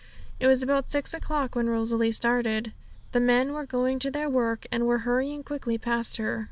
It was about six o'clock when Rosalie started, the men were going to their work, and were hurrying quickly past her.